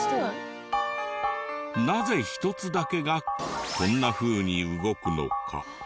なぜ１つだけがこんなふうに動くのか？